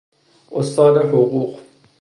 استاد حقوق